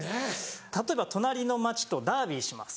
例えば隣の町とダービーします